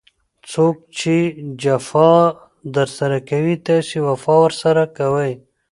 څوک چي جفا درسره کوي؛ تاسي وفا ورسره کوئ!